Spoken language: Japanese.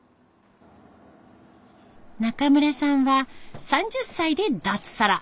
中村さんは３０歳で脱サラ。